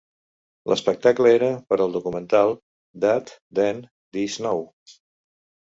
L'espectacle era per al documental "That Then This Now".